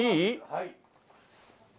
はい。